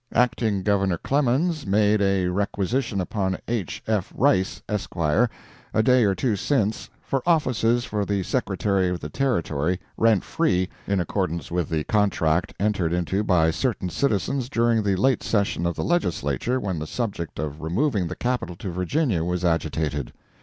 Acting Governor Clemens made a requisition upon H. F. Rice, Esq., a day or two since, for offices for the Secretary of the Territory, rent free, in accordance with the contract entered into by certain citizens during the late session of the Legislature when the subject of removing the Capital to Virginia was agitated.